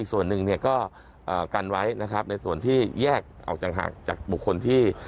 ส่วนหนึ่งเนี่ยก็กันไว้นะครับในส่วนที่แยกออกจากบุคคลที่